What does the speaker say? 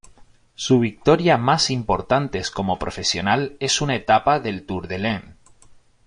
Su victoria más importantes como profesional es una etapa del Tour de l'Ain.